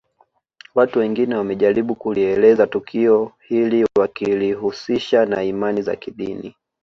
Watu wengine wamejaribu kulielezea tukio hili wakilihusisha na imani za kidini